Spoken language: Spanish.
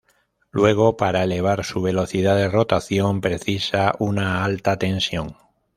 Luego, para elevar su velocidad de rotación, precisa una alta tensión.